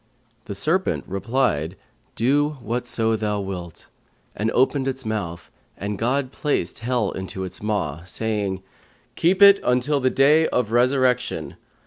The serpent replied, 'Do whatso Thou wilt;' and opened his mouth and God placed Hell into his maw, saying, 'Keep it until the Day of Resurrection.